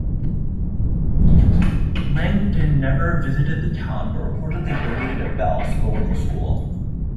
Langdon never visited the town, but reportedly donated a bell for the local school.